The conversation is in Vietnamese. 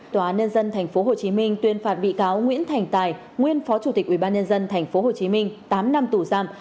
tòa án nhân dân tp hcm tuyên phạt bị cáo nguyễn thành tài nguyên phó chủ tịch ubnd tp hcm tám năm tù giam